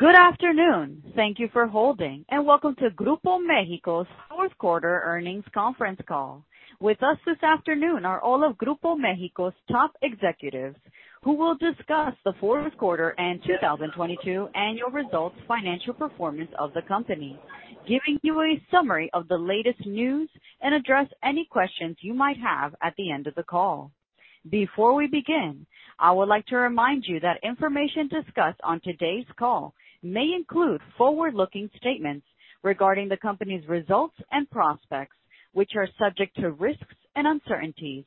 Good afternoon. Thank you for holding. Welcome to Grupo México's Fourth Quarter Earnings Conference Call. With us this afternoon are all of Grupo México's top executives, who will discuss the fourth quarter and 2022 annual results financial performance of the company, giving you a summary of the latest news, address any questions you might have at the end of the call. Before we begin, I would like to remind you that information discussed on today's call may include forward-looking statements regarding the company's results and prospects, which are subject to risks and uncertainties.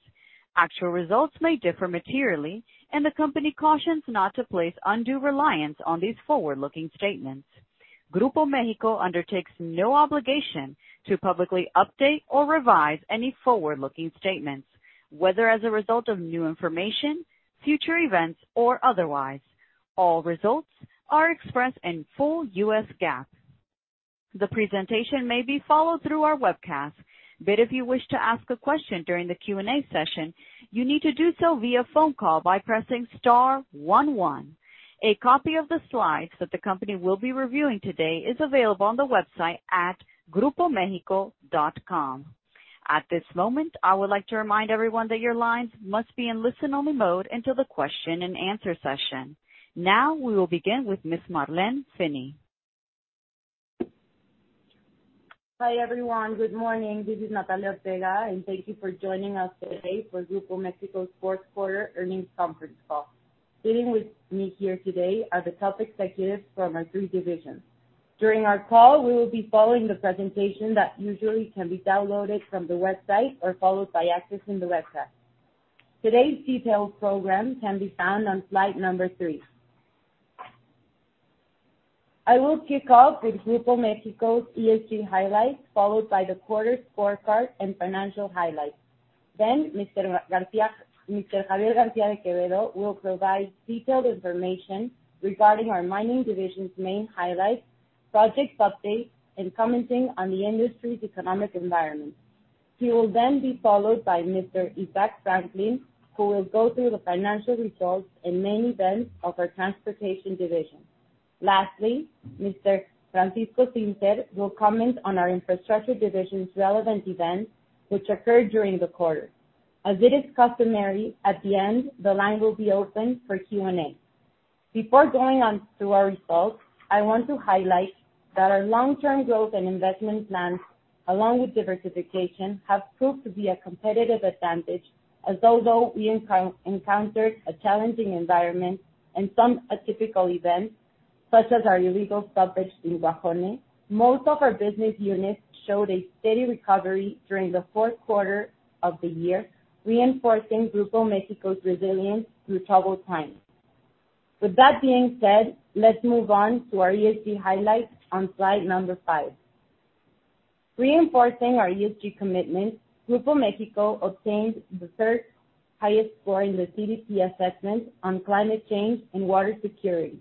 Actual results may differ materially. The company cautions not to place undue reliance on these forward-looking statements. Grupo México undertakes no obligation to publicly update or revise any forward-looking statements, whether as a result of new information, future events, or otherwise. All results are expressed in full U.S. GAAP. The presentation may be followed through our webcast. If you wish to ask a question during the Q&A session, you need to do so via phone call by pressing star one one. A copy of the slides that the company will be reviewing today is available on the website at grupomexico.com. At this moment, I would like to remind everyone that your lines must be in listen-only mode until the Q&A session. We will begin with Ms. Marlene Finnegan. Hi, everyone. Good morning. This is Natalia Ortega, and thank you for joining us today for Grupo México's fourth quarter earnings conference call. Sitting with me here today are the top executives from our three divisions. During our call, we will be following the presentation that usually can be downloaded from the website or followed by accessing the website. Today's detailed program can be found on slide number three. I will kick off with Grupo México's ESG highlights, followed by the quarter scorecard and financial highlights. Mr. Xavier García de Quevedo will provide detailed information regarding our mining division's main highlights, projects updates, and commenting on the industry's economic environment. He will then be followed by Mr. Isaac Franklin, who will go through the financial results and main events of our transportation division. Lastly, Mr. Francisco Zinser will comment on our infrastructure division's relevant events which occurred during the quarter. It is customary, at the end, the line will be open for Q&A. Before going on through our results, I want to highlight that our long-term growth and investment plans, along with diversification, have proved to be a competitive advantage, as although we encountered a challenging environment and some atypical events, such as our illegal stoppage in Cuajone, most of our business units showed a steady recovery during the fourth quarter of the year, reinforcing Grupo México's resilience through troubled times. With that being said, let's move on to our ESG highlights on slide five. Reinforcing our ESG commitment, Grupo México obtained the third-highest score in the CDP assessment on climate change and water security,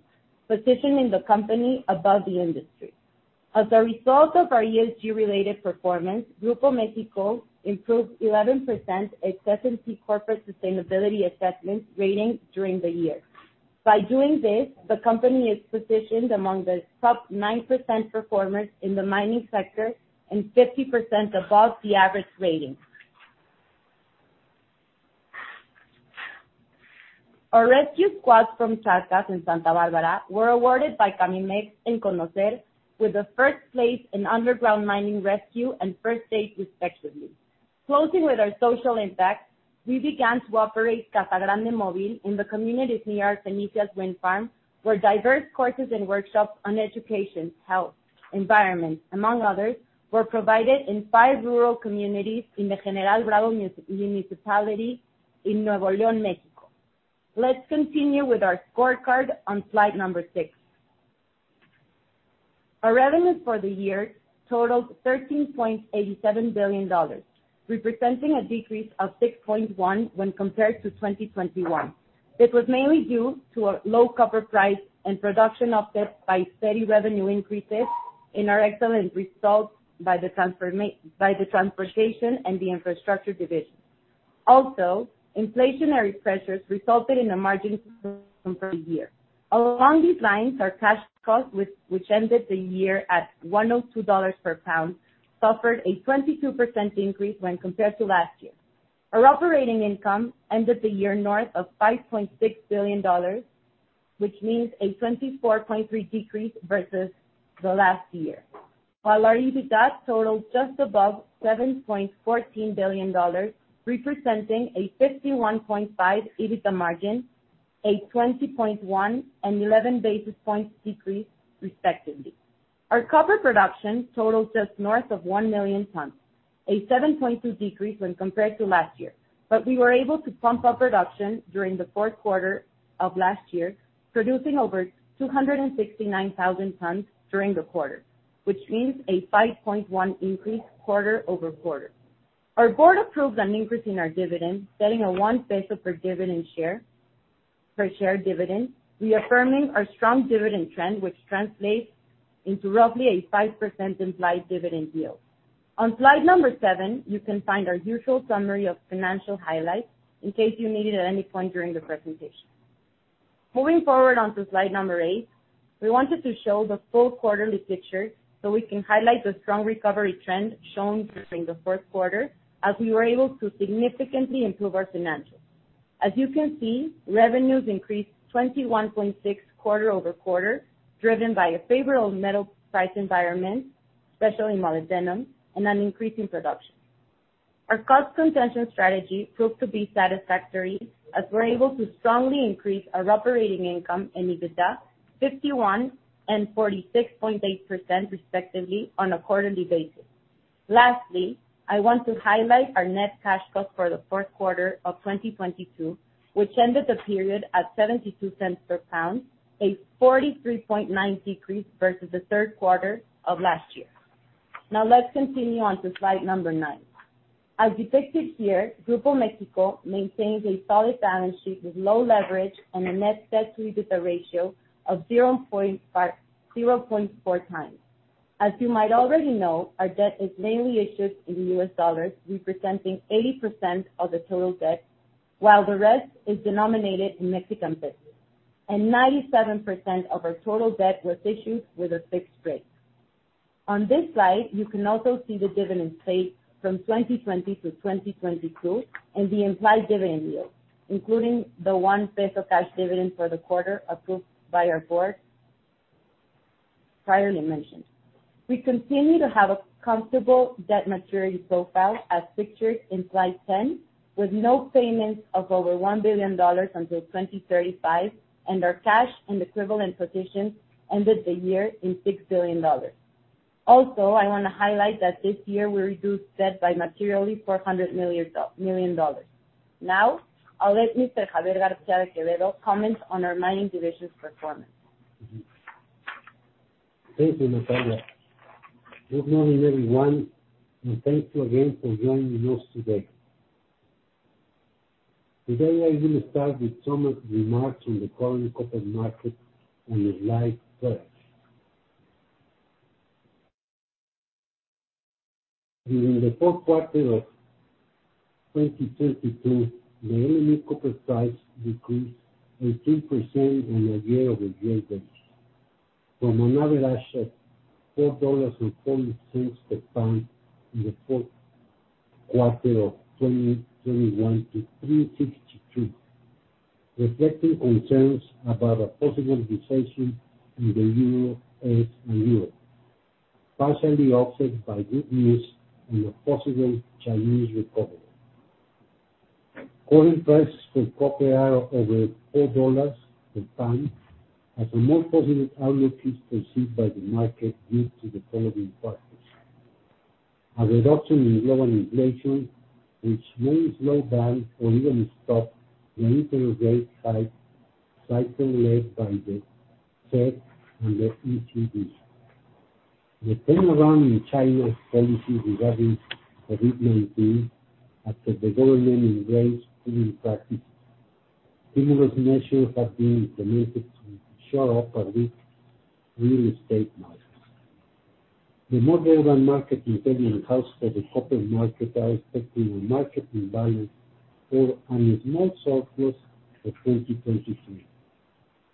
positioning the company above the industry. As a result of our ESG-related performance, Grupo México improved 11% at CDP Corporate Sustainability Assessment rating during the year. By doing this, the company is positioned among the top 9% performers in the mining sector, and 50% above the average rating. Our rescue squads from Charcas in Santa Barbara were awarded by CAMIMEX and CONOCER with the first place in underground mining rescue and first aid respectively. Closing with our social impact, we began to operate Casa Grande Mobile in the communities near Fenicias Wind Farm, where diverse courses and workshops on education, health, environment, among others, were provided in five rural communities in the General Bravo municipality in Nuevo León, Mexico. Let's continue with our scorecard on slide number six. Our revenues for the year totaled $13.87 billion, representing a decrease of 6.1% when compared to 2021. This was mainly due to a low copper price and production offset by steady revenue increases in our excellent results by the transportation and the Infrastructure Division. Also, inflationary pressures resulted in a margin from the year. Along these lines, our cash cost, which ended the year at $1.02 per pound, suffered a 22% increase when compared to last year. Our operating income ended the year north of $5.6 billion, which means a 24.3% decrease versus the last year. While our EBITDA totaled just above $7.14 billion, representing a 51.5% EBITDA margin, a 20.1% and 11 basis points decrease, respectively. Our copper production totaled just north of 1 million tons, a 7.2% decrease when compared to last year. We were able to pump up production during the fourth quarter of last year, producing over 269,000 tons during the quarter, which means a 5.1% increase quarter-over-quarter. Our board approved an increase in our dividend, setting a 1 peso per dividend share, per share dividend, reaffirming our strong dividend trend, which translates into roughly a 5% implied dividend yield. On slide number seven, you can find our usual summary of financial highlights in case you need it at any point during the presentation. Moving forward onto slide number eight, we wanted to show the full quarterly picture so we can highlight the strong recovery trend shown during the fourth quarter as we were able to significantly improve our financials. As you can see, revenues increased 21.6% quarter-over-quarter, driven by a favorable metal price environment, especially molybdenum, and an increase in production. Our cost contention strategy proved to be satisfactory as we're able to strongly increase our operating income and EBITDA 51% and 46.8% respectively on a quarterly basis. Lastly, I want to highlight our net cash cost for the fourth quarter of 2022, which ended the period at $0.72 per pound, a 43.9% decrease versus the third quarter of last year. Now let's continue on to slide number nine. As depicted here, Grupo México maintains a solid balance sheet with low leverage and a net debt-to-EBITDA ratio of 0.4x. As you might already know, our debt is mainly issued in U.S. dollars, representing 80% of the total debt, while the rest is denominated in Mexican pesos. 97% of our total debt was issued with a fixed rate. On this slide, you can also see the dividend paid from 2020 to 2022 and the implied dividend yield, including the 1 peso cash dividend for the quarter approved by our board priorly mentioned. We continue to have a comfortable debt maturity profile as pictured in slide 10, with no payments of over $1 billion until 2035, and our cash and equivalent position ended the year in $6 billion. I wanna highlight that this year we reduced debt by materially $400 million. I'll let Mr. Xavier García de Quevedo comment on our mining division's performance. Thank you, Natalia. Good morning, everyone. Thank you again for joining us today. Today I will start with some remarks on the current copper market on slide three. During the fourth quarter of 2022, the only copper price decreased by 3% on a year-over-year basis from an average of $4.40 per pound in the fourth quarter of 2021 to $3.62, reflecting concerns about a possible recession in the U.S. and Europe, partially offset by good news on the possible Chinese recovery. Current prices for copper are over $4 per pound as a more positive outlook is perceived by the market due to the following factors: A reduction in global inflation, which may slow down or even stop the interest rate hike cycle led by the Fed and the ECB. The turnaround in China's policy regarding COVID-19 after the government embraced COVID practices. Stimulus measures have been implemented to shore up a weak real estate market. The more urban market in turn accounts for the copper market are expecting a market rebalance or a small surplus for 2023.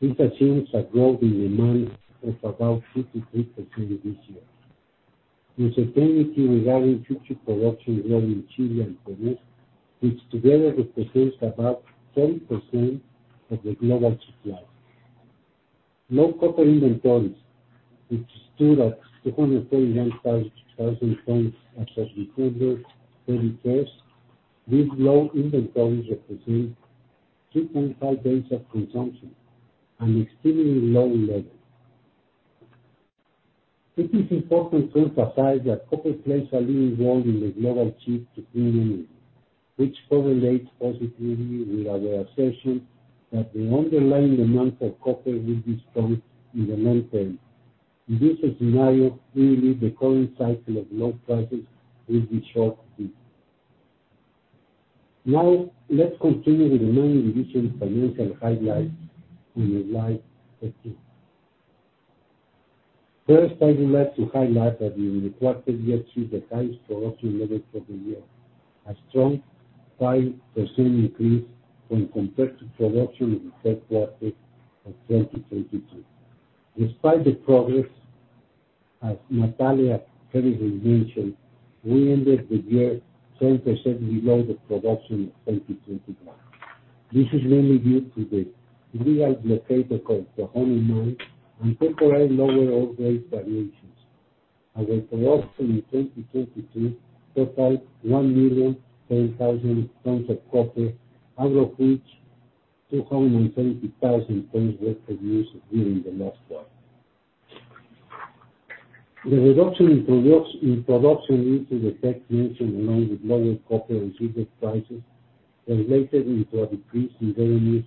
This assumes a growth in demand of about 53% this year. Uncertainty regarding future production growth in Chile and Peru, which together represents about 10% of the global supply. Low copper inventories, which stood at 239,000 tons as of December 31st. These low inventories represent 3.5 days of consumption, an extremely low level. It is important to emphasize that copper plays a leading role in the global shift to clean energy, which correlates positively with our assertion that the underlying demand for copper will be strong in the long term. In this scenario, we believe the current cycle of low prices will be short-lived. Now, let's continue with the main division's financial highlights on slide 13. First, I would like to highlight that in the quarter we achieved the highest production levels for the year, a strong 5% increase when compared to production in the third quarter of 2022. Despite the progress, as Natalia previously mentioned, we ended the year 10% below the production of 2021. This is mainly due to the grade locator called Toquepala Mine and temporarily lower ore grade variations as our production in 2022 totaled 1,010,000 tons of copper, out of which 230,000 tons were produced during the last quarter. The reduction in production due to the factors mentioned along with lower copper and silver prices translated into a decrease in revenues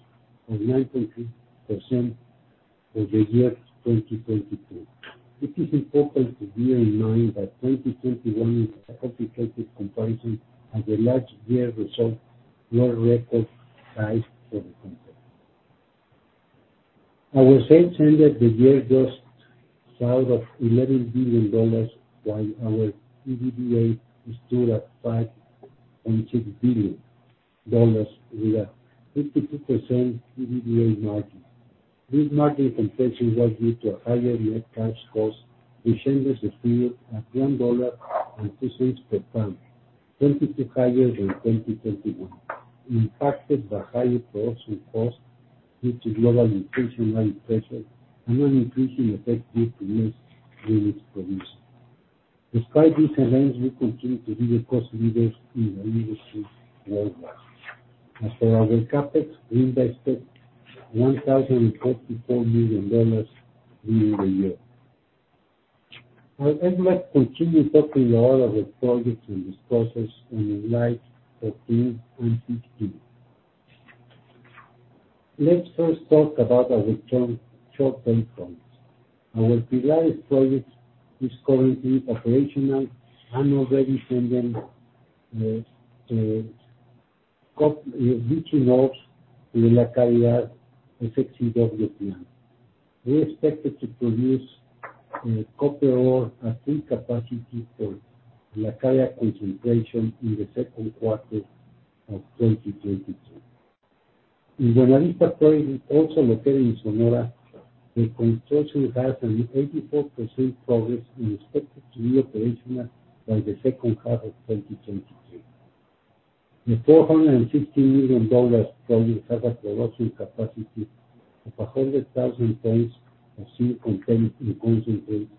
of 9.3% over year 2022. It is important to bear in mind that 2021 is a complicated comparison as the last year result were record highs for the company. Our sales ended the year just south of $11 billion, while our EBITDA stood at $5.6 billion, with a 52% EBITDA margin. This margin compression was due to higher net cash costs, which ended the year at $1.02 per pound, 22 higher than 2021, impacted by higher production costs, due to global inflation and pressure, and an increase in effective next units produced. Despite these events, we continue to be the cost leaders in the industry worldwide. As for our CapEx, we invested $1,044 million during the year. I would like to continue talking all of the projects and discourses on the slides 13 and 15. Let's first talk about our return short term projects. Our Pilares project is currently operational and already sending rich ores to the La Caridad SX-EW dockyard plant. We expected to produce copper ore at full capacity for La Caridad concentration in the second quarter of 2022. In the Pilares project, also located in Sonora, the construction has an 84% progress and expected to be operational by the second half of 2023. The $460 million project has a production capacity of 100,000 tons of zinc content in concentrate,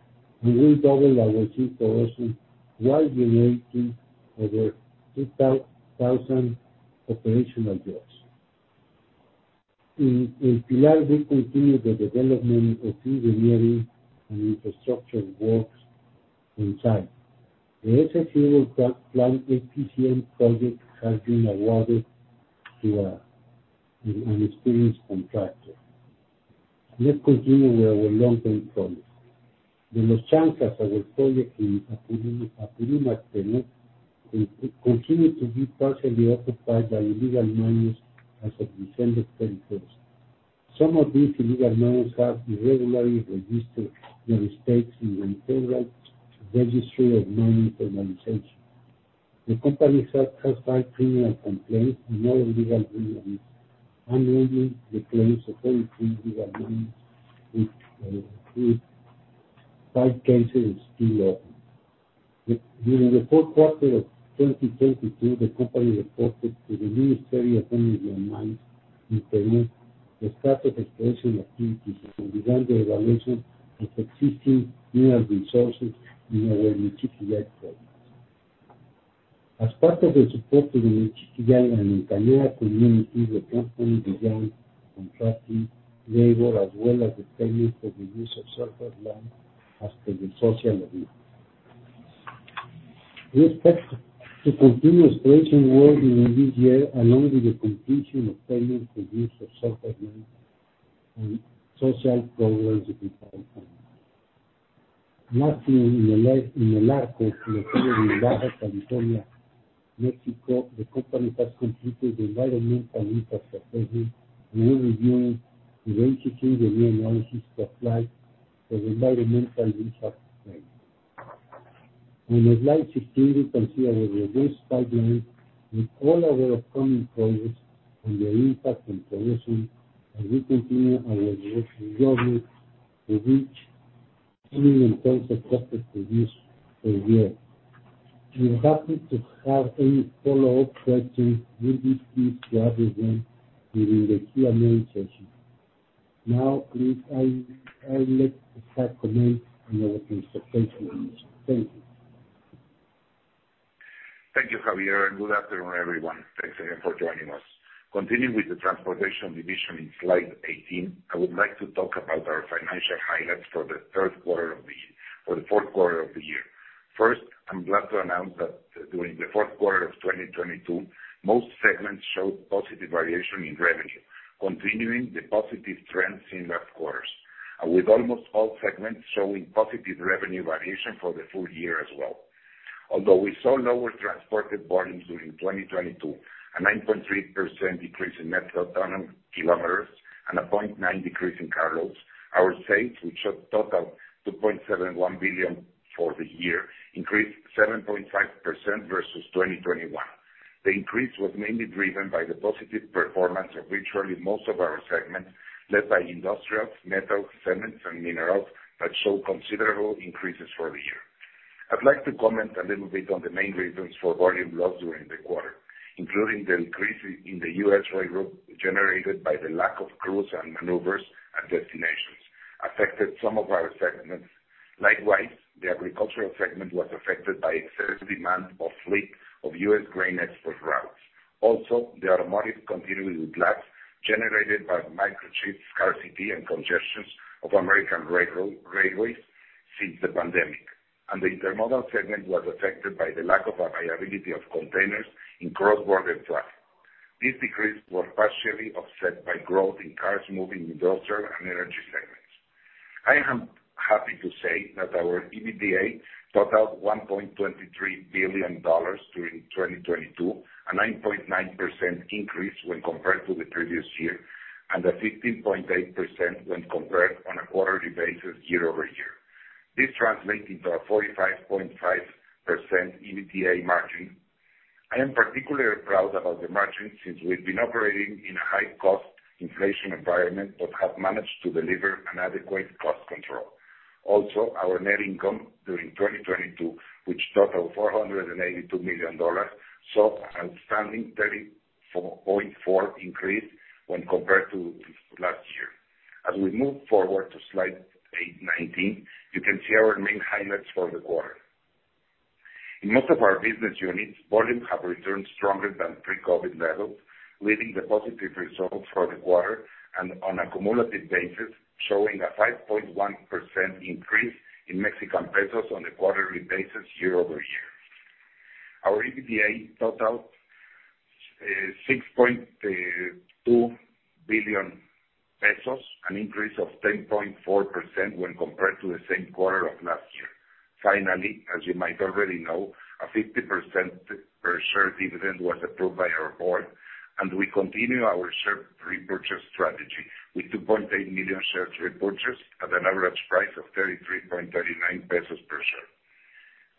and will double our zinc production while generating over 2,000 operational jobs. In Pilares, we continue the development of engineering and infrastructure works on site. The SF0 plant APCM project has been awarded to an experienced contractor. Let's continue with our long-term projects. The Los Chancas, our project in Apurimac, Peru, continue to be partially occupied by illegal miners as of December 31st. Some of these illegal miners have irregularly registered their stakes in the informal registry of mining formalization. The company has filed criminal complaints in all illegal mining areas, and waived the claims of 23 illegal miners, with five cases still open. During the fourth quarter of 2022, the company reported to the Ministry of Energy and Mines in Peru the start of exploration activities and design the evaluation of existing mineral resources in our Michiquillay projects. As part of the support to the Michiquillay and Thank you, Xavier. Good afternoon, everyone. Thanks again for joining us. Continuing with the transportation division in slide 18, I would like to talk about our financial highlights for the fourth quarter of the year. First, I'm glad to announce that during the fourth quarter of 2022, most segments showed positive variation in revenue, continuing the positive trends in last quarters. With almost all segments showing positive revenue variation for the full year as well. Although we saw lower transported volumes during 2022, a 9.3% decrease in net ton-kilometers and a 0.9% decrease in carloads, our sales, which total $2.71 billion for the year, increased 7.5% versus 2021. The increase was mainly driven by the positive performance of virtually most of our segments, led by industrials, metals, cements and minerals that show considerable increases for the year. I'd like to comment a little bit on the main reasons for volume loss during the quarter, including the increase in the U.S. railroad generated by the lack of crews and maneuvers at destinations affected some of our segments. Likewise, the agricultural segment was affected by excess demand of fleet of U.S. grain export routes. Also, the automotive continued with lapse generated by microchip scarcity and congestions of American railways since the pandemic. The intermodal segment was affected by the lack of availability of containers in cross-border traffic. These decreases were partially offset by growth in cars moving industrial and energy products. I am happy to say that our EBITDA totaled $1.23 billion during 2022, a 9.9% increase when compared to the previous year, and a 15.8% when compared on a quarterly basis year-over-year. This translates into a 45.5% EBITDA margin. I am particularly proud about the margin since we've been operating in a high cost inflation environment, but have managed to deliver an adequate cost control. Our net income during 2022, which totaled $482 million, saw an outstanding 34.4% increase when compared to last year. As we move forward to slide 8 to 19, you can see our main highlights for the quarter. In most of our business units, volumes have returned stronger than pre-COVID levels, leading the positive results for the quarter and on a cumulative basis, showing a 5.1% increase in Mexican pesos on a quarterly basis year-over-year. Our EBITDA totaled MXN 6.2 billion, an increase of 10.4% when compared to the same quarter of last year. Finally, as you might already know, a 50% per share dividend was approved by our board, and we continue our share repurchase strategy with 2.8 million shares repurchased at an average price of 33.39 pesos per share.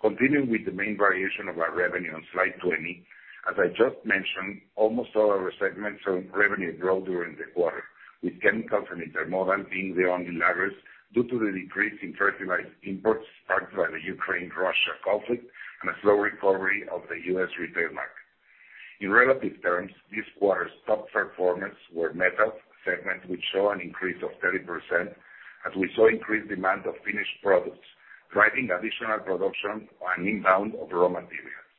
Continuing with the main variation of our revenue on slide 20, as I just mentioned, almost all our segments showed revenue growth during the quarter, with chemicals and intermodal being the only laggards due to the decrease in fertilizer imports sparked by the Ukraine-Russia conflict and a slow recovery of the U.S. retail market. In relative terms, this quarter's top performers were metals segment, which show an increase of 30% as we saw increased demand of finished products, driving additional production and inbound of raw materials.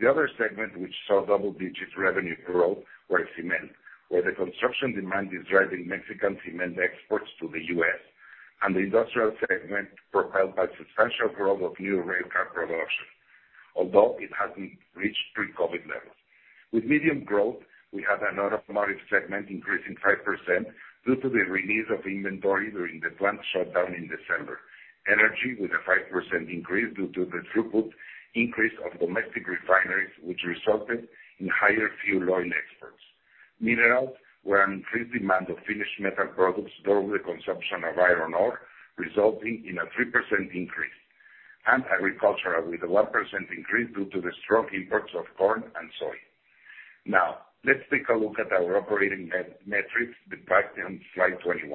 The other segment which saw double-digit revenue growth were cement, where the construction demand is driving Mexican cement exports to the U.S. The industrial segment propelled by substantial growth of new railcar production. Although it hasn't reached pre-COVID levels. With medium growth, we have an automotive segment increase in 5% due to the release of inventory during the plant shutdown in December. Energy with a 5% increase due to the throughput increase of domestic refineries, which resulted in higher fuel oil exports. Minerals, where an increased demand of finished metal products drove the consumption of iron ore, resulting in a 3% increase. Agricultural with a 1% increase due to the strong imports of corn and soy. Let's take a look at our operating net metrics depicted on slide 21.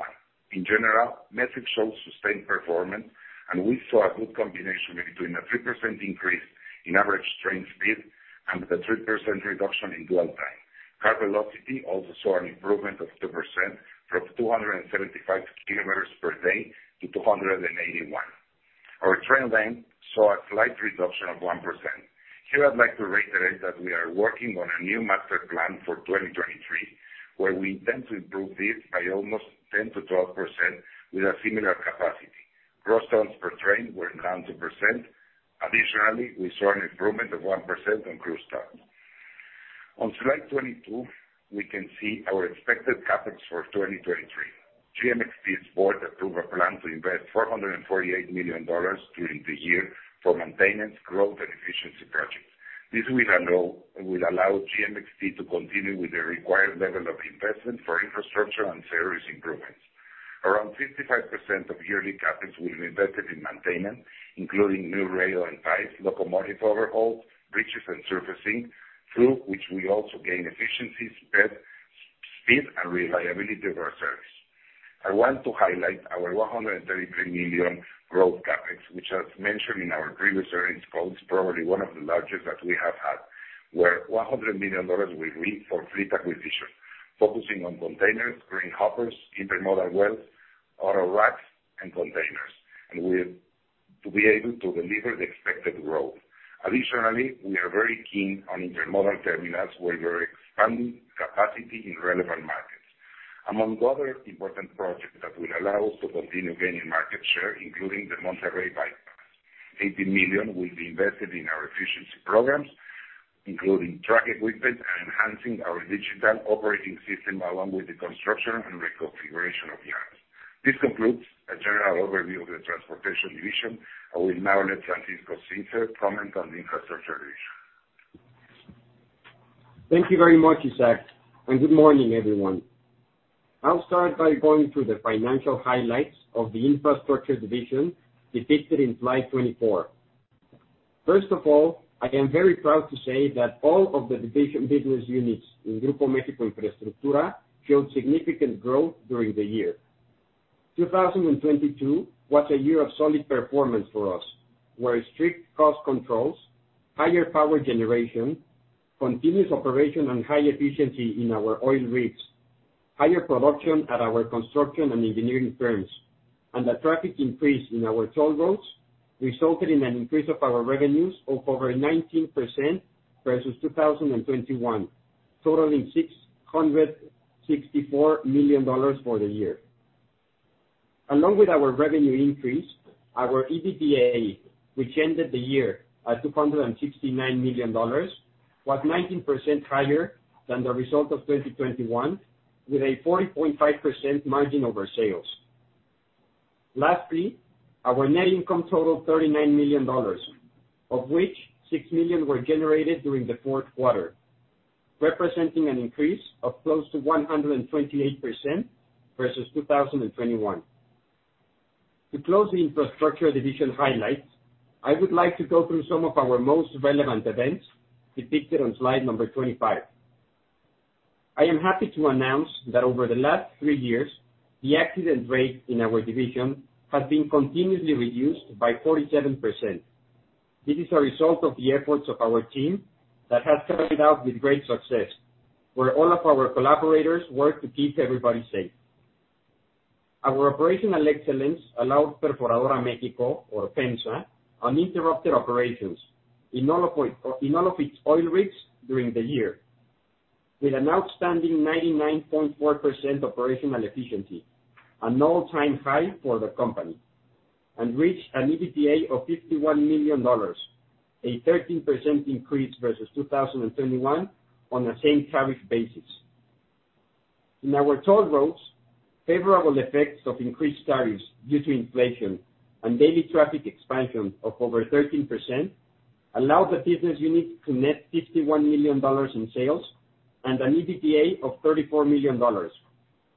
In general, metrics show sustained performance. We saw a good combination between a 3% increase in average train speed and a 3% reduction in dwell time. Car velocity also saw an improvement of 2% from 275 kilometers per day to 281. Our train length saw a slight reduction of 1%. Here, I'd like to reiterate that we are working on a new master plan for 2023, where we intend to improve this by almost 10% to 12% with a similar capacity. Gross tons per train were down 2%. Additionally, we saw an improvement of 1% on crew staff. On slide 22, we can see our expected CapEx for 2023. GMXT's board approved a plan to invest $448 million during the year for maintenance, growth, and efficiency projects. This will allow GMXT to continue with the required level of investment for infrastructure and service improvements. Around 55% of yearly CapEx will be invested in maintenance, including new rail and ties, locomotive overhauls, bridges and surfacing, through which we also gain efficiency, speed, and reliability of our service. I want to highlight our $133 million growth CapEx, which as mentioned in our previous earnings calls, probably one of the largest that we have had, where $100 million will be for fleet acquisition, focusing on containers, green hoppers, intermodal wells, autoracks, and containers. to be able to deliver the expected growth. Additionally, we are very keen on intermodal terminals, where we're expanding capacity in relevant markets. Among other important projects that will allow us to continue gaining market share, including the Monterrey Bypass. $80 million will be invested in our efficiency programs, including track equipment and enhancing our digital operating system along with the construction and reconfiguration of yards. This concludes a general overview of the Transportation Division. I will now let Francisco Zinser comment on the Infrastructure Division. Thank you very much, Isaac. Good morning, everyone. I'll start by going through the financial highlights of the Infrastructure Division depicted in slide 24. First of all, I am very proud to say that all of the division business units in Grupo México Infraestructura showed significant growth during the year. 2022 was a year of solid performance for us, where strict cost controls, higher power generation, continuous operation and high efficiency in our oil rigs, higher production at our construction and engineering firms, and the traffic increase in our toll roads resulted in an increase of our revenues of over 19% versus 2021, totaling $664 million for the year. Along with our revenue increase, our EBITDA, which ended the year at $269 million was 19% higher than the result of 2021, with a 40.5 margin over sales. Lastly, our net income totaled $39 million, of which $6 million were generated during the fourth quarter, representing an increase of close to 128% versus 2021. To close the Infrastructure Division highlights, I would like to go through some of our most relevant events depicted on slide number 25. I am happy to announce that over the last three years, the accident rate in our division has been continuously reduced by 47%. This is a result of the efforts of our team that has carried out with great success, where all of our collaborators work to keep everybody safe. Our operational excellence allowed Perforadora México, or PEMEX, uninterrupted operations in all of its oil rigs during the year, with an outstanding 99.4% operational efficiency, an all-time high for the company. Reached an EBITDA of $51 million, a 13% increase versus 2021 on the same coverage basis. In our toll roads, favorable effects of increased tariffs due to inflation and daily traffic expansion of over 13% allowed the business unit to net $51 million in sales and an EBITDA of $34 million,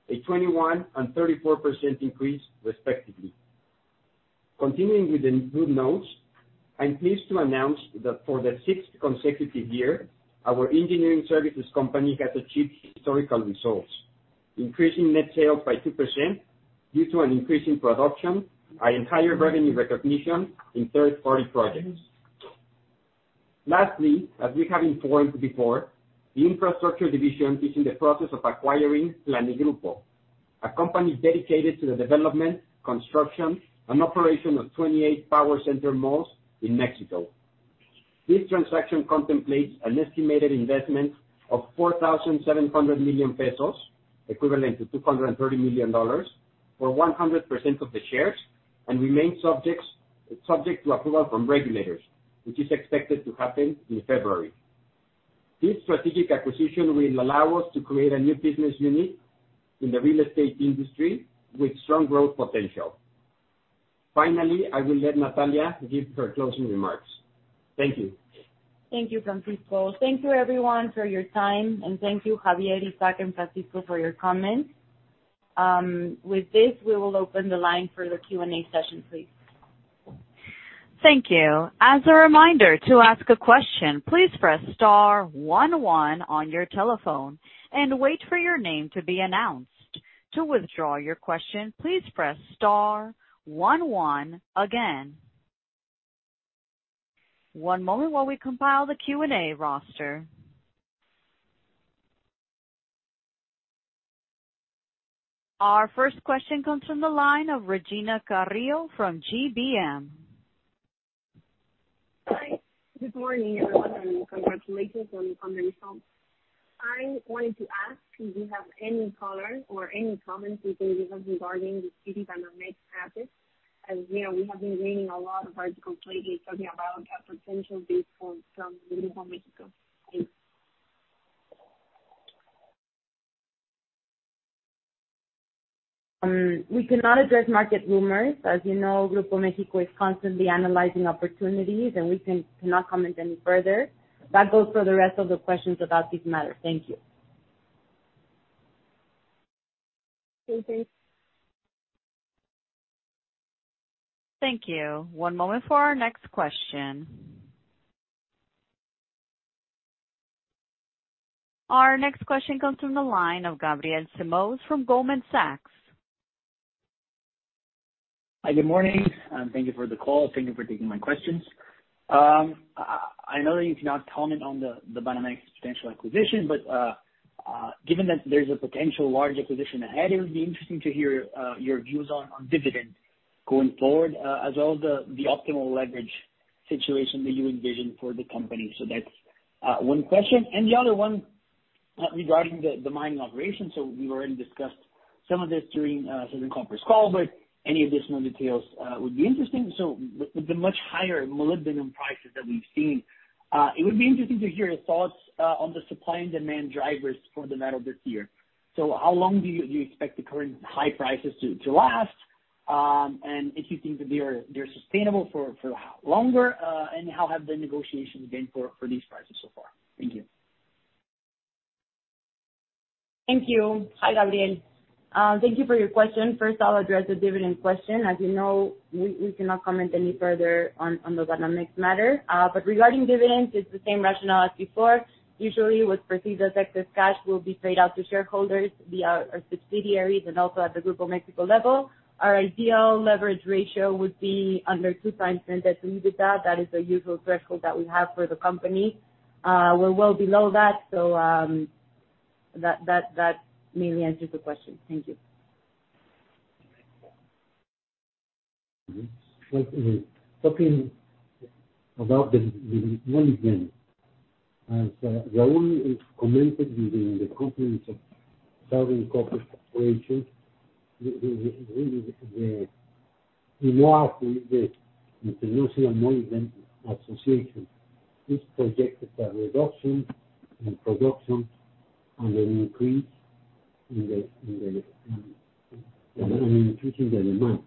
a 21% and 34% increase respectively. Continuing with the good notes, I'm pleased to announce that for the sixth consecutive year, our engineering services company has achieved historical results, increasing net sales by 2% due to an increase in production and higher revenue recognition in third party projects. Lastly, as we have informed before, the infrastructure division is in the process of acquiring Planigrupo, a company dedicated to the development, construction and operation of 28 power center malls in Mexico. This transaction contemplates an estimated investment of 4,700 million pesos, equivalent to $230 million, for 100% of the shares and remains subject to approval from regulators, which is expected to happen in February. This strategic acquisition will allow us to create a new business unit in the real estate industry with strong growth potential. Finally, I will let Natalia give her closing remarks. Thank you. Thank you, Francisco. Thank you everyone for your time. Thank you Xavier, Isaac, and Francisco for your comments. With this, we will open the line for the Q&A session, please. Thank you. As a reminder, to ask a question, please press star one one on your telephone and wait for your name to be announced. To withdraw your question, please press star one one again. One moment while we compile the Q&A roster. Our first question comes from the line of Regina Carrillo from GBM. Hi. Good morning, everyone. Congratulations on the results. I wanted to ask, do you have any color or any comments you can give us regarding the CD dynamic assets? As you know, we have been reading a lot of articles lately talking about potential bid from Grupo México. Thanks. We cannot address market rumors. As you know, Grupo México is constantly analyzing opportunities. We cannot comment any further. That goes for the rest of the questions about this matter. Thank you. Okay, thanks. Thank you. One moment for our next question. Our next question comes from the line of Gabriel Simões from Goldman Sachs. Hi, good morning. Thank you for the call. Thank you for taking my questions. I know that you cannot comment on the Banamex potential acquisition, but given that there's a potential large acquisition ahead, it would be interesting to hear your views on dividend going forward, as well the optimal leverage situation that you envision for the company. That's one question. The other one regarding the mining operation. We've already discussed some of this during certain conference call, but any additional details would be interesting. With the much higher molybdenum prices that we've seen, it would be interesting to hear your thoughts on the supply and demand drivers for the metal this year. How long do you expect the current high prices to last? If you think that they're sustainable for longer, and how have the negotiations been for these prices so far? Thank you. Thank you. Hi, Gabriel. Thank you for your question. First, I'll address the dividend question. As you know, we cannot comment any further on the dynamics matter. Regarding dividends, it's the same rationale as before. Usually what's perceived as excess cash will be paid out to shareholders via our subsidiaries and also at the Grupo México level. Our ideal leverage ratio would be under 2x net as EBITDA. That is the usual threshold that we have for the company. We're well below that, so that mainly answers the question. Thank you. Talking about the mining, as Raúl has commented during the company's third quarter operations, the movement association is projected a reduction in production and an increase in the, an increase in the demand.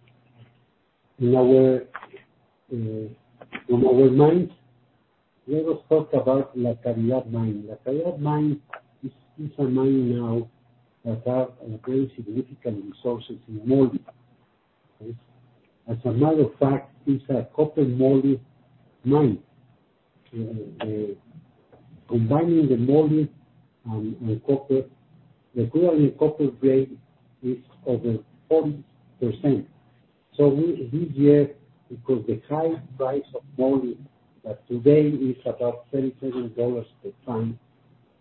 From our mines, let us talk about La Caridad Mine. La Caridad Mine is a mine now that have a very significant resources in moly. As a matter of fact, it's a copper moly mine. Combining the moly and copper, the current copper grade is over 40%. This year, because the high price of moly, that today is about $37 per ton,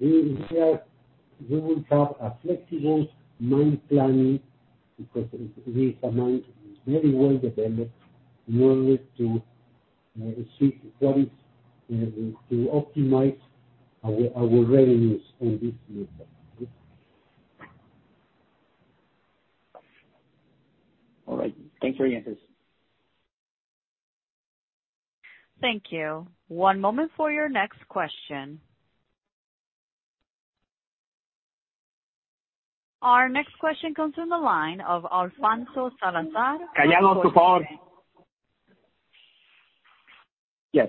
we here, we will have a flexible mine planning because it is a mine very well developed in order to seek what is to optimize our revenues in this new inaudible. All right. Thanks for your answers. Thank you. One moment for your next question. Our next question comes from the line of Alfonso Salazar from Scotiabank. Yes.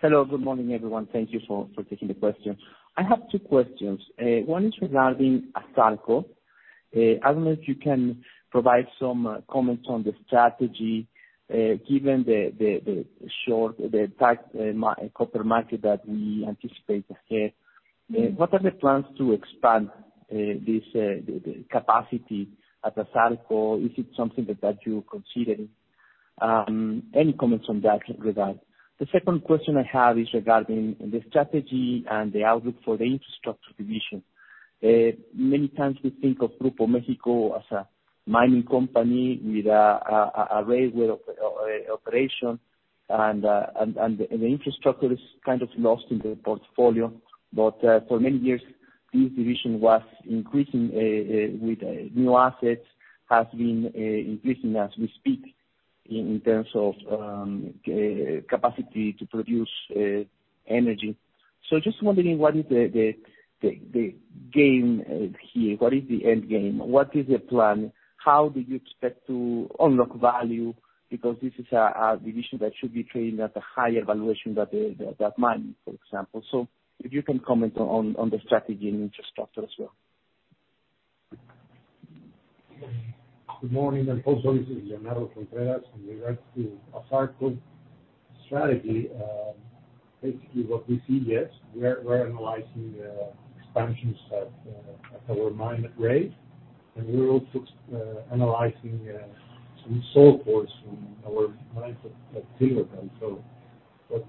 Hello, good morning, everyone. Thank you for taking the question. I have two questions. One is regarding Asarco. I don't know if you can provide some comments on the strategy given the short, the tight copper market that we anticipate ahead. What are the plans to expand this capacity at Asarco? Is it something that you're considering? Any comments on that regard. The second question I have is regarding the strategy and the outlook for the infrastructure division. Many times we think of Grupo México as a mining company with a railway operation and the infrastructure is kind of lost in the portfolio. For many years, this division was increasing with new assets, has been increasing as we speak in terms of capacity to produce energy. Just wondering what is the gain here? What is the end game? What is the plan? How do you expect to unlock value? Because this is a division that should be trading at a higher valuation than mining, for example. If you can comment on the strategy and infrastructure as well. Good morning, this is Leonardo Contreras. In regards to Asarco strategy, basically what we see, yes, we are analyzing expansions at our mine at grade, and we're also analyzing some from our mine.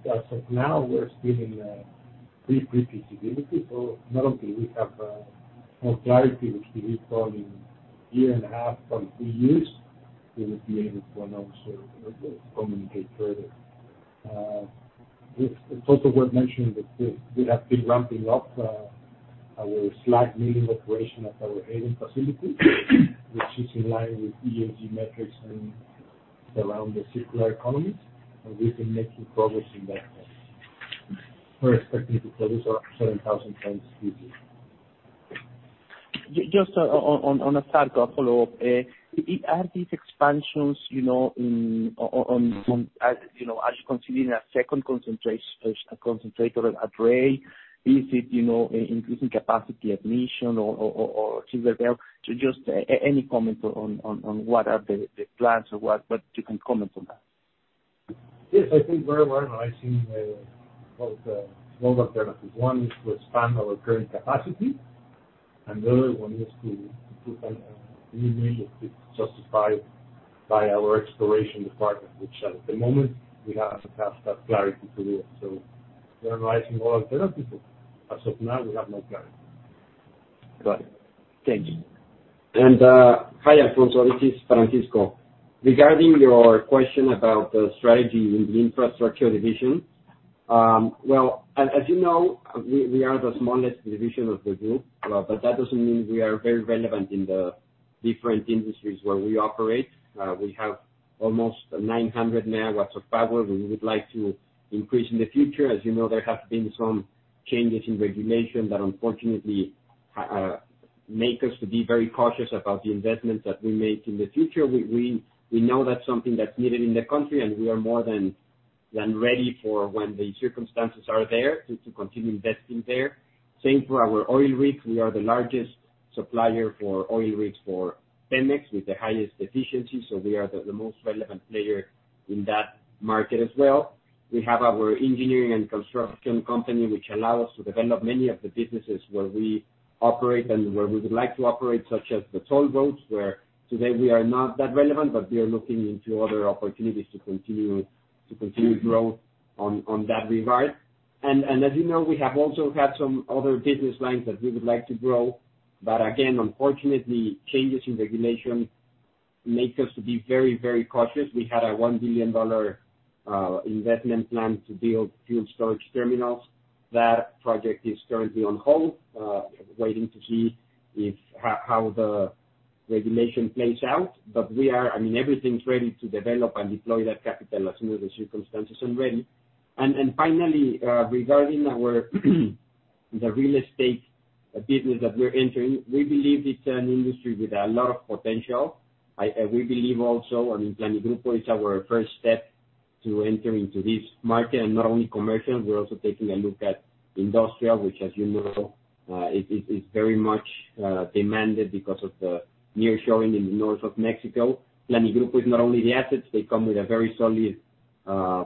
As of now we're still in pre-pre-feasibility, not only we have more clarity which will be probably year and a half from two years, we will be able to announce or communicate further. It's also worth mentioning that we have been ramping up our slag mining operation at our Hayden facility, which is in line with ESG metrics and around the circular economies, we've been making progress in that sense. We're expecting to produce up 700,000 tons this year. Just on Asarco, a follow-up. Are these expansions, you know, in, on, as, you know, are you considering a second concentrator at Ray? Is it, you know, increasing capacity at Mission or Silver Bell? Just any comment on what are the plans or what you can comment on that? Yes. I think we are analyzing both alternatives. One is to expand our current capacity, and the other one is to find a new way to justify by our exploration department, which at the moment we haven't had that clarity to do it. We are analyzing both alternatives, but as of now we have no clarity. Got it. Thank you. Hi, Alfonso. This is Francisco. Regarding your question about the strategy in the Infrastructure Division, well, as you know, we are the smallest division of the group, but that doesn't mean we are very relevant in the different industries where we operate. We have almost 900MW of power. We would like to increase in the future. As you know, there have been some changes in regulation that unfortunately, make us to be very cautious about the investments that we make in the future. We know that's something that's needed in the country, and we are more than ready for when the circumstances are there to continue investing there. Same for our oil rigs. We are the largest supplier for oil rigs for Pemex with the highest efficiency, we are the most relevant player in that market as well. We have our engineering and construction company which allow us to develop many of the businesses where we operate and where we would like to operate, such as the toll roads, where today we are not that relevant, we are looking into other opportunities to continue growth on that regard. As you know, we have also had some other business lines that we would like to grow, again, unfortunately, changes in regulation make us to be very, very cautious. We had a $1 billion investment plan to build fuel storage terminals. That project is currently on hold, waiting to see how the regulation plays out. We are. I mean, everything's ready to develop and deploy that capital as soon as the circumstances are ready. Finally, regarding the real estate business that we're entering, we believe it's an industry with a lot of potential. We believe also on Planigrupo is our first step to enter into this market. Not only commercial, we're also taking a look at industrial, which as you know, is very much demanded because of the nearshoring in the north of Mexico. Planigrupo is not only the assets, they come with a very solid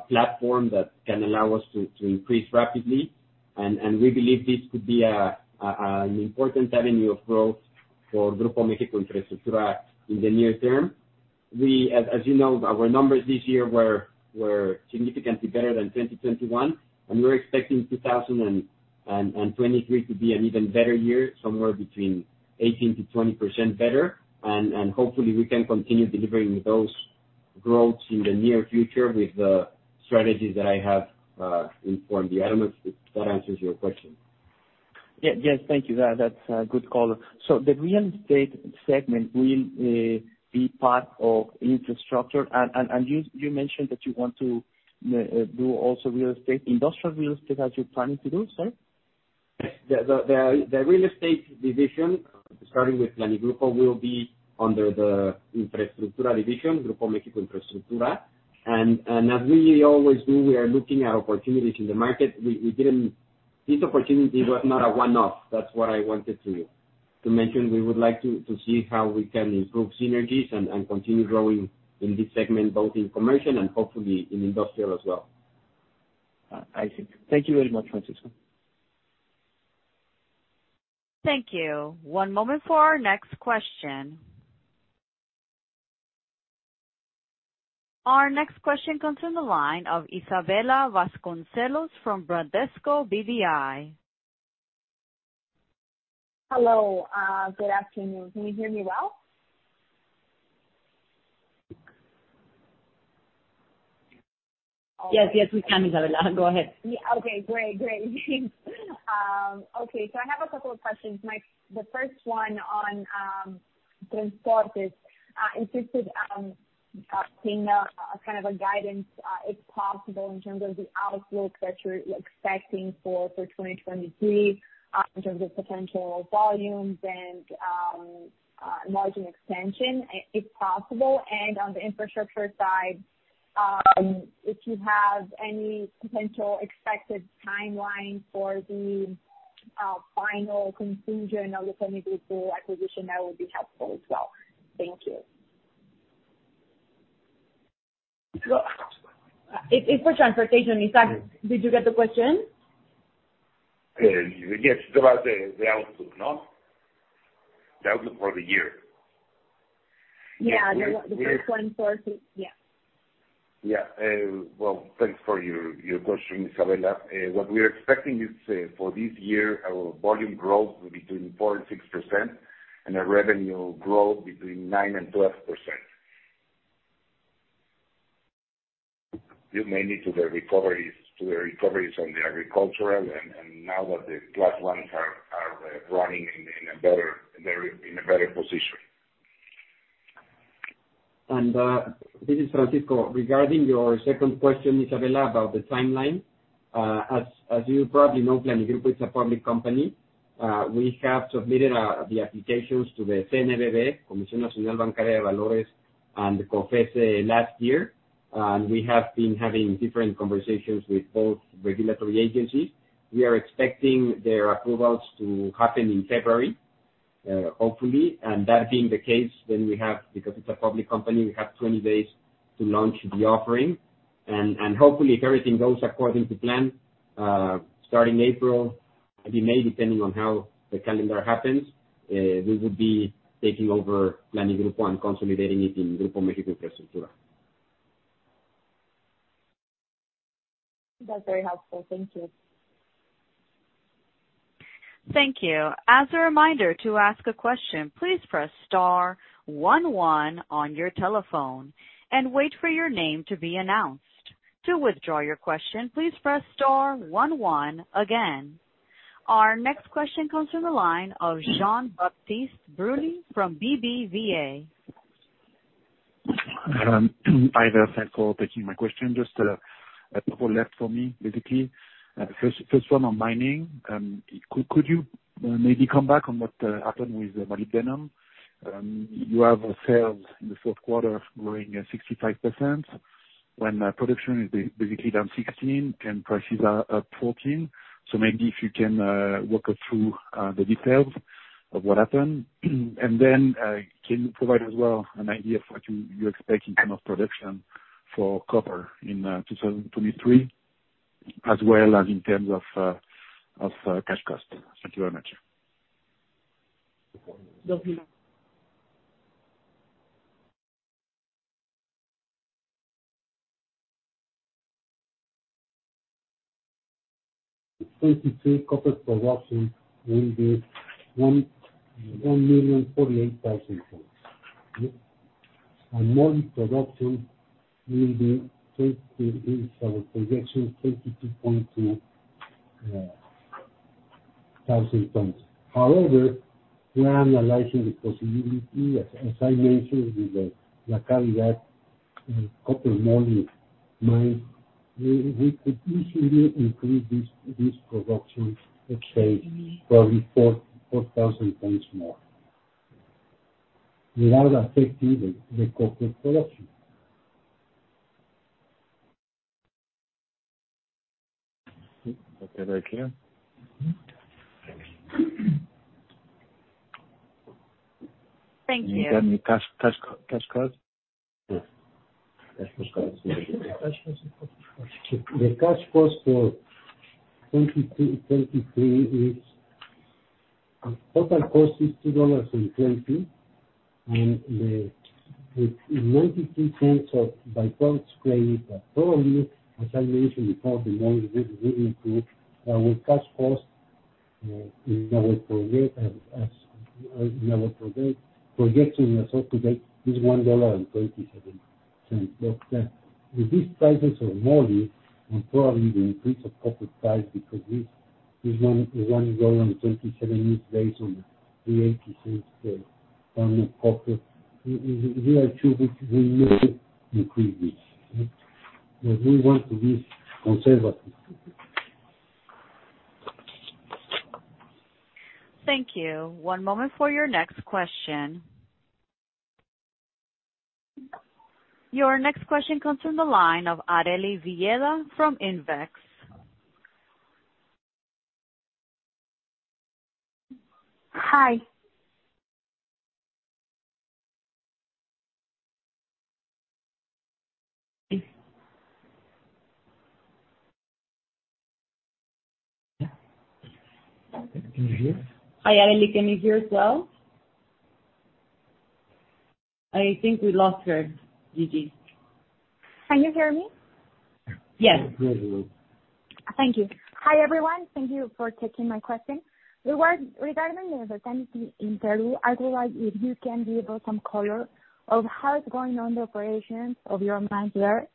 platform that can allow us to increase rapidly. We believe this could be an important avenue of growth for Grupo México Infraestructura in the near term. As you know, our numbers this year were significantly better than 2021, we're expecting 2023 to be an even better year, somewhere between 18% to 20% better. Hopefully we can continue delivering those growths in the near future with the strategies that I have informed you. I don't know if that answers your question. Yes. Thank you. That's a good call. The real estate segment will be part of Infraestructura. You mentioned that you want to do also real estate, industrial real estate, are you planning to do, sir? The real estate division, starting with Planigrupo, will be under the Infraestructura division, Grupo México Infraestructura. As we always do, we are looking at opportunities in the market. We didn't...This opportunity was not a one-off. That's what I wanted to mention. We would like to see how we can improve synergies and continue growing in this segment, both in commercial and hopefully in industrial as well. I see. Thank you very much, Francisco. Thank you. One moment for our next question. Our next question comes from the line of Isabella Vasconcelos from Bradesco BBI. Hello. Good afternoon. Can you hear me well? Yes, yes, we can, Isabella. Go ahead. Great, great. I have a couple of questions. The first one on Transportes. Interested in seeing a kind of guidance, if possible, in terms of the outlook that you're expecting for 2023, in terms of potential volumes and margin expansion, if possible. On the infrastructure side, if you have any potential expected timeline for the final conclusion of the Planigrupo acquisition, that would be helpful as well. Thank you. So- It's for transportation, Isa. Did you get the question? Yes, it's about the outlook, no? The outlook for the year. Yeah. Yes. The first one for... Yeah. Well, thanks for your question, Isabella. What we are expecting is for this year, our volume growth will be between 4% and 6%, and our revenue growth between 9% and 12%. Mainly to the recoveries on the agricultural and now that the plus ones are running in a better position. This is Francisco. Regarding your second question, Isabella, about the timeline. As you probably know, Planigrupo is a public company. We have submitted the applications to the CNBV, Comisión Nacional Bancaria y de Valores, and COFECE last year. We have been having different conversations with both regulatory agencies. We are expecting their approvals to happen in February, hopefully. That being the case, then we have...because it's a public company, we have 20 days to launch the offering. Hopefully, if everything goes according to plan, starting April or maybe May, depending on how the calendar happens, we will be taking over Planigrupo and consolidating it in Grupo México Infraestructura. That's very helpful. Thank you. Thank you. As a reminder, to ask a question, please press star one one on your telephone and wait for your name to be announced. To withdraw your question, please press star one one again. Our next question comes from the line of Jean Baptiste Bruny from BBVA. Either of you, thanks for taking my question. Just a couple left for me, basically. First, first one on mining. could you maybe come back on what happened with the molybdenum? You have sales in the fourth quarter growing 65% when production is basically down 16% and prices are 14%. Maybe if you can walk us through the details of what happened. Can you provide as well an idea of what you expect in terms of production for copper in 2023 as well as in terms of cash costs? Thank you very much. No problem. In 2022, copper production will be 1,048,000 tons. Moly production will be 22.2 thousand tons. However, we are analyzing the possibility, as I mentioned, with the copper-moly mine, we could easily increase this production exchange probably 4,000 tons more without affecting the copper production. Okay, thank you. Mm-hmm. Thanks. Thank you. You got any cash costs? Yes. Cash costs. The cash costs for 2022, 2023. Total cost is $2.20. The $0.93 of by-products credit, probably, as I mentioned before, the moly will improve our cash costs in our project, projection as of today is $1.37. With these prices of moly and probably the increase of copper price because this is $1.27 is based on the $0.80 ton of copper. We are sure we may increase this. We want to be conservative. Thank you. One moment for your next question. Your next question comes from the line of Areli Viera from Invex. Hi. Can you hear? Hi, Areli. Can you hear us well? I think we lost her, Gigi. Can you hear me? Yes. Yes, we do. Thank you. Hi, everyone. Thank you for taking my question. Regarding the uncertainty in Peru, I would like if you can give us some color of how it's going on the operations of your mines there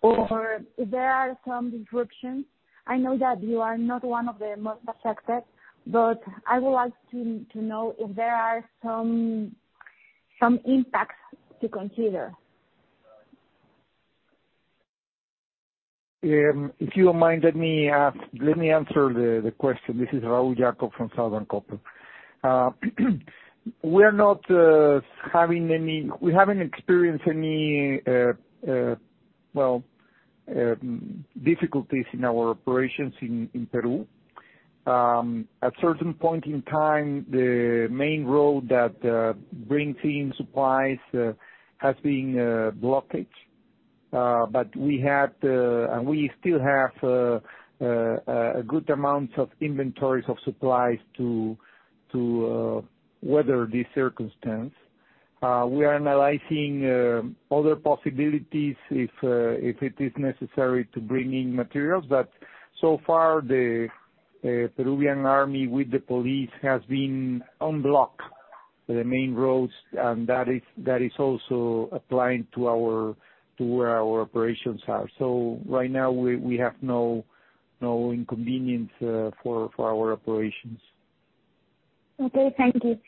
or if there are some disruptions. I know that you are not one of the most affected, but I would like to know if there are some impacts to consider. If you don't mind, let me answer the question. This is Raúl Jacob from Southern Copper. We haven't experienced any, well, difficulties in our operations in Peru. At certain point in time, the main road that bring in supplies has been blockaged. We had and we still have a good amount of inventories of supplies to weather this circumstance. We are analyzing other possibilities if it is necessary to bring in materials. So far the Peruvian army with the police has been unblock the main roads, and that is also applying to our, to where our operations are. Right now we have no inconvenience for our operations. Okay. Thank you.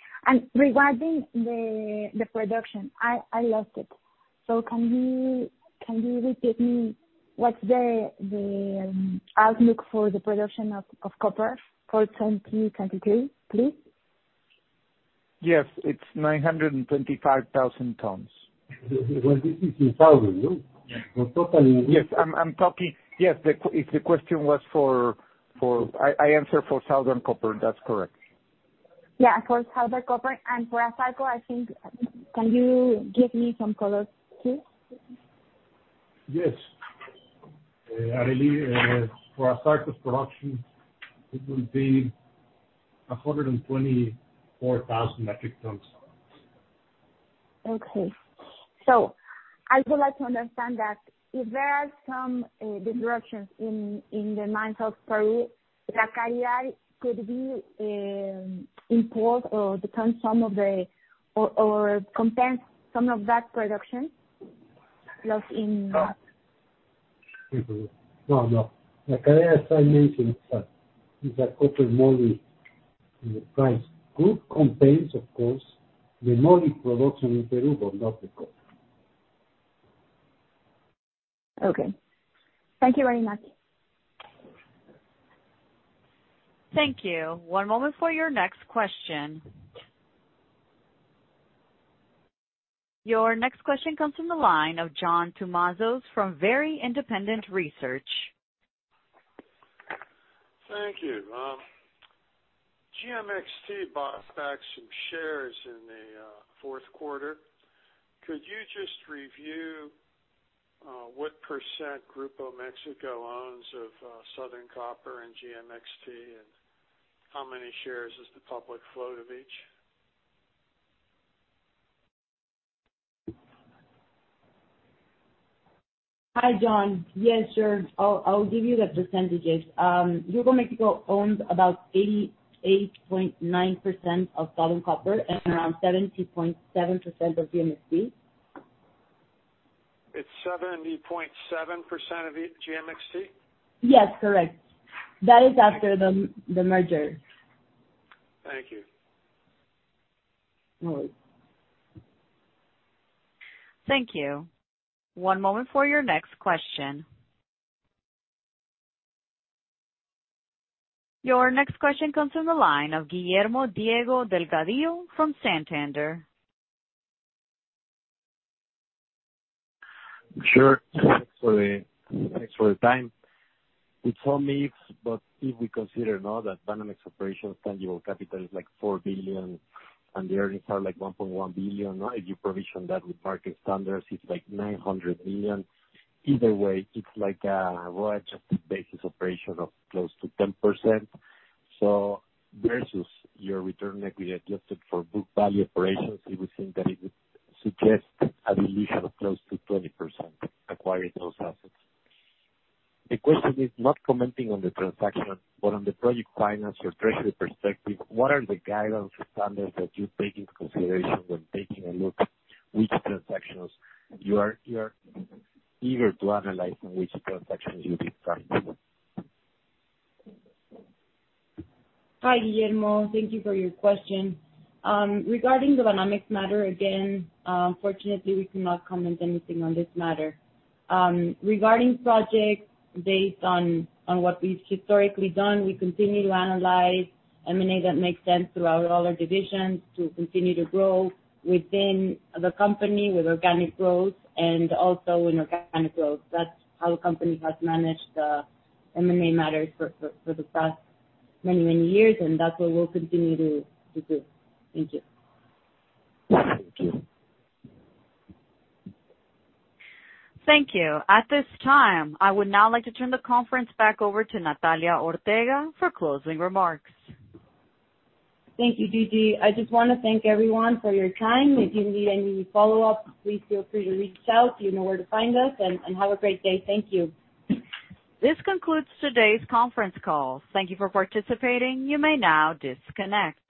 Regarding the production, I lost it. Can you repeat me what's the outlook for the production of copper for 2023, please? Yes. It's 925,000 tons. Well, this is in inaudible. Yes. I'm talking... Yes. If the question was for... I answer for Southern Copper. That's correct. Yeah, for Southern Copper and for Asarco, I think. Can you give me some colors too? Yes. Areli, for Asarco's production it will be 124,000 metric tons. Okay. I would like to understand that if there are some disruptions in the mines of Peru, could it be import or the consume of the or compensate some of that production lost? No, no. Like I mentioned, is that copper moly, the price could compensate, of course, the moly production in Peru but not the copper. Okay. Thank you very much. Thank you. One moment for your next question. Your next question comes from the line of John Tumazos from Very Independent Research. Thank you. GMXT bought back some shares in the fourth quarter. Could you just review what % Grupo México owns of Southern Copper and GMXT and how many shares is the public float of each? Hi, John. Yes, sure. I'll give you the percentages. Grupo México owns about 88.9% of Southern Copper and around 70.7% of GMXT. It's 70.7% of GMXT? Yes, correct. That is after the merger. Thank you. No worries. Thank you. One moment for your next question. Your next question comes from the line of Guillermo Diego Delgadillo from Santander. Sure. Thanks for the time. If we consider now that Banamex Operations tangible capital is like $4 billion and the earnings are like $1.1 billion, now if you provision that with market standards, it's like $900 billion. Either way, it's like, well, adjusted basis operation of close to 10%. Versus your return equity adjusted for book value operations, it would seem that it would suggest a dilution of close to 20% acquiring those assets. The question is not commenting on the transaction, but on the project finance or treasury perspective, what are the guidelines or standards that you take into consideration when taking a look which transactions you are eager to analyze and which transactions you decline? Hi, Guillermo. Thank you for your question. Regarding the Banamex matter, again, fortunately, we cannot comment anything on this matter. Regarding projects based on what we've historically done, we continue to analyze M&A that makes sense throughout all our divisions to continue to grow within the company with organic growth and also inorganic growth. That's how the company has managed M&A matters for the past many, many years, and that's what we'll continue to do. Thank you. Thank you. Thank you. At this time, I would now like to turn the conference back over to Natalia Ortega for closing remarks. Thank you, Gigi. I just wanna thank everyone for your time. If you need any follow-up, please feel free to reach out. You know where to find us and have a great day. Thank you. This concludes today's conference call. Thank you for participating. You may now disconnect.